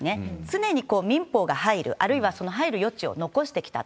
常に民法が入る、あるいは入る余地を残してきた。